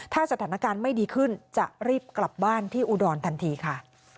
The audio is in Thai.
ถ้าสถานการณ์ไม่ดีขึ้นจะรีบกลับบ้านที่อุดรทันทีค่ะ